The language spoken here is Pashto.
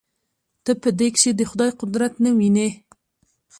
ته په دې کښې د خداى قدرت نه وينې.